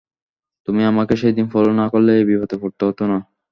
তুমি আমাকে সেইদিন ফলো না করলে, এই বিপদে পড়তে হতো না।